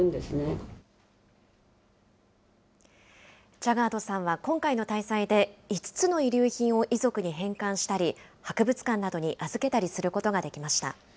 ジャガードさんは、今回の滞在で５つの遺留品を遺族に返還したり、博物館などに預けたりすることができました。